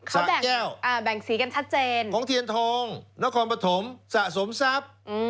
สะแก้วของเทียนโทงนครปฐมสะสมทรัพย์